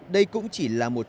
đây cũng chỉ là một trạm